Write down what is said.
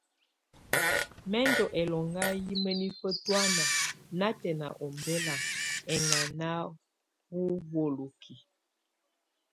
Mɛ̀ ndù ɛlɔŋga yɛ mǝnifǝ tɔ̀ána natɛna u ɔmbɛla ɛŋana ù wolokiǝ.